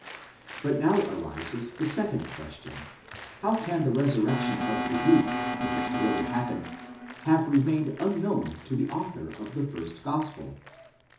But now arises the second question : how can the resurrection of the youth, if it really happened, have remained unknown to the author of the first gospel?